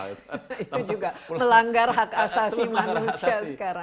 itu juga melanggar hak asasi manusia sekarang